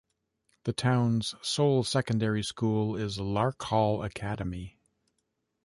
The town's sole secondary school is Larkhall Academy.